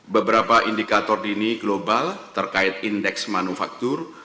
beberapa indikator dini global terkait indeks manufaktur